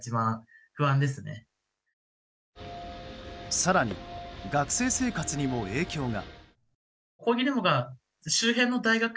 更に、学生生活にも影響が。